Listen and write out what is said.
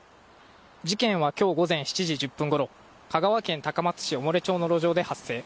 事件は今日午前７時１０分ごろ香川県高松市小村町の路上で発生。